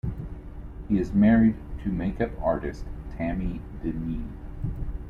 He is married to makeup artist Tammie Dineen.